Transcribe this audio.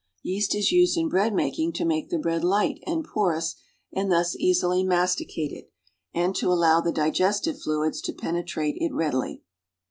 Yeast is used in bread making to make the liread light and porous and thus easily masticated; and to allow the digestive fluids to penetrate it readily.